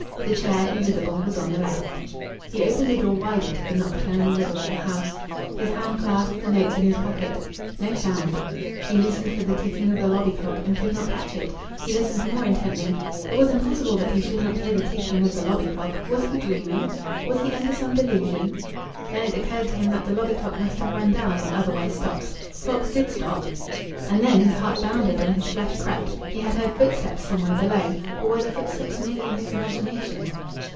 The chair, invisible, was on the left. He opened the door wider to the nocturnal riddle of the house. His hand clasped the notes in his pocket. No sound! He listened for the ticking of the lobby clock and could not catch it. He listened more intently. It was impossible that he should not hear the ticking of the lobby clock. Was he dreaming? Was he under some delusion? Then it occurred to him that the lobby clock must have run down or otherwise stopped. Clocks did stop.... And then his heart bounded and his flesh crept. He had heard footsteps somewhere below. Or were the footsteps merely in his imagination?